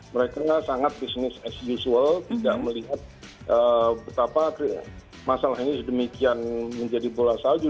mereka sangat business as usual tidak melihat betapa masalah ini sedemikian menjadi bola salju